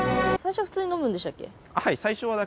最初は普通に飲むんでしたっけ？